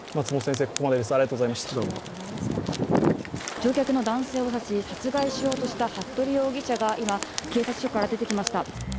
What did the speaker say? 乗客の男性を刺し殺害しようとした服部容疑者が今、警察署から出てきました。